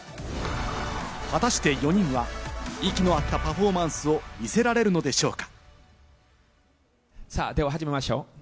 果たして４人は息の合ったパフォーマンスを見せられるのでしょうか？